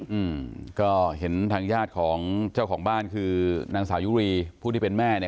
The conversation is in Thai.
อืมก็เห็นทางญาติของเจ้าของบ้านคือนางสาวยุรีผู้ที่เป็นแม่เนี้ย